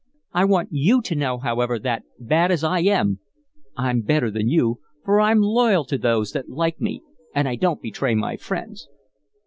I want you to know, however, that, bad as I am, I'm better than you, for I'm loyal to those that like me, and I don't betray my friends."